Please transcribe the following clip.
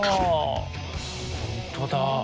本当だ。